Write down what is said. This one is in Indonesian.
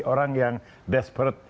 orang yang desperate